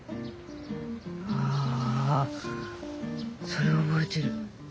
あそれは覚えてる。